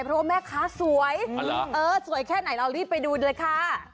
เพราะว่าแม่ค้าสวยสวยแค่ไหนเรารีบไปดูเลยค่ะ